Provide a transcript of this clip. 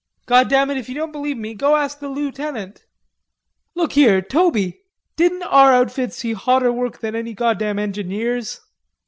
"Goddam it, if ye don't believe me, you go ask the lootenant.... Look here, Toby, didn't our outfit see hotter work than any goddam engineers?"